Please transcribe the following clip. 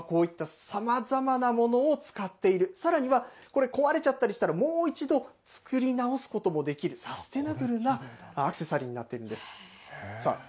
こういったさまざまなものを使っている、さらにはこれ、壊れちゃったりしたら、もう一度、作り直すこともできる、サスティナブルなアクセサリーになっているんです。